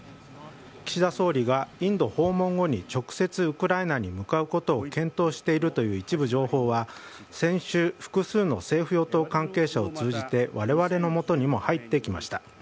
岸田総理がインド訪問後に直接ウクライナに向かうことを検討しているという一部情報は先週複数の政府・与党関係者から我々のもとに入ってきました。